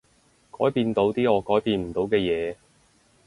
改變到啲我改變唔到嘅嘢